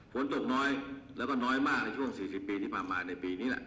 โฟนตกน้อยและหนอยมากในช่วง๔๐ปีที่ผ่านมานี้